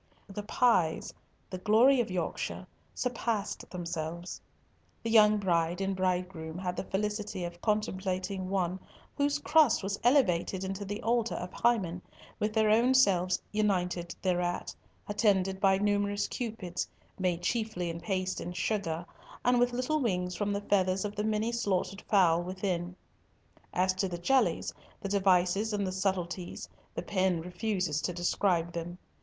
The pies, the glory of Yorkshire, surpassed themselves. The young bride and bridegroom had the felicity of contemplating one whose crust was elevated into the altar of Hymen, with their own selves united thereat, attended by numerous Cupids, made chiefly in paste and sugar, and with little wings from the feathers of the many slaughtered fowl within. As to the jellies, the devices and the subtilties, the pen refuses to describe them!